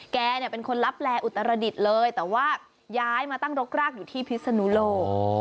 แกเนี่ยเป็นคนรับแลอุตรดิษฐ์เลยแต่ว่าย้ายมาตั้งรกรากอยู่ที่พิศนุโลก